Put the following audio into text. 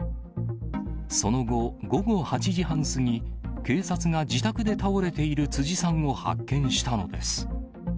その後、午後８時半過ぎ、警察が自宅で倒れている辻さんを発見したのです。